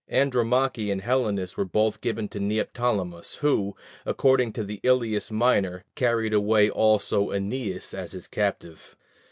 Andromache and Helenus were both given to Neoptolemus, who, according to the Ilias Minor, carried away also Æneas as his captive.